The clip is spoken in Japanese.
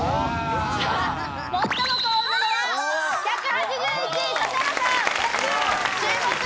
最も幸運なのは１８１位・指原さん。